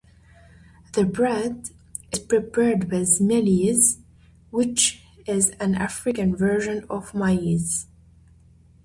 The bread is prepared with mealies, which is an African version of maize.